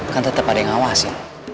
kan tetap ada yang ngawas ya